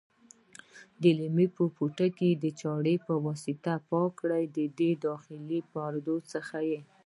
د لیمو پوټکي د چاړې په واسطه پاک کړئ د داخلي پردو څخه.